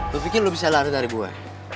lo pikir lo bisa lari dari gue